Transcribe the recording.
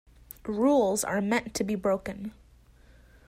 Rules are made to be broken.